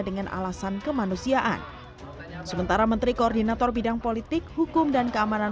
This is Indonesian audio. dengan alasan kemanusiaan sementara menteri koordinator bidang politik hukum dan keamanan